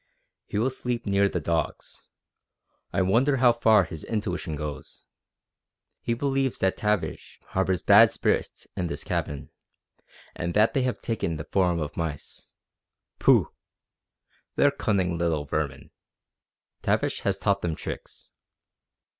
"He will sleep near the dogs. I wonder how far his intuition goes? He believes that Tavish harbours bad spirits in this cabin, and that they have taken the form of mice. Pooh! They're cunning little vermin. Tavish has taught them tricks.